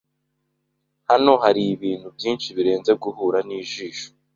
Hano haribintu byinshi birenze guhura nijisho.